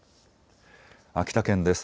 秋田県です。